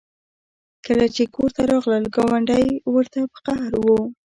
کله چې کور ته راغلل ګاونډۍ ورته په قهر وه